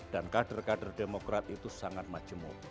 dan kader kader demokrat itu sangat majemuk